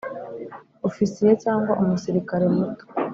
ofisiye cyangwa umusirikare muto.